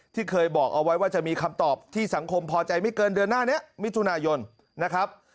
ที่เคยบอกเอาไว้ว่าจะมีคำตอบที่สังคมพอใจไม่เกินเดือนหน้านี้มิถุนายนนะครับ